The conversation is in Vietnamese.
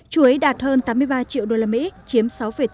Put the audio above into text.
chuối đạt hơn tám mươi ba triệu usd chiếm sáu tám